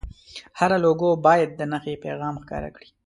هره لوګو باید د نښې پیغام ښکاره کړي.